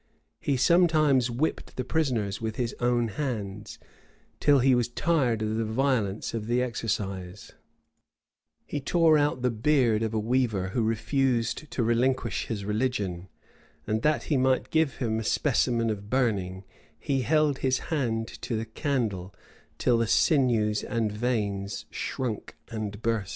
[] He sometimes whipped the prisoners with his own hands, till he was tired with the violence of the exercise: he tore out the beard of a weaver who refused to relinquish his religion; and that he might give him a specimen of burning, he held his hand to the candle till the sinews and veins shrunk and burst.